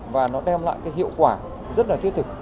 và nó đem lại cái hiệu quả rất là thiết thực